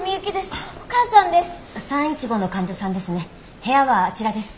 部屋はあちらです。